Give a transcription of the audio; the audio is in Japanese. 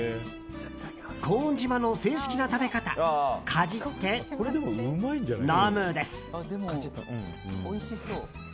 コーン島の正式な食べ方かじって、飲むです。